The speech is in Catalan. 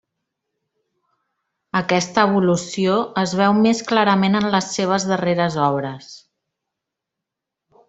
Aquesta evolució es veu més clarament en les seves darreres obres.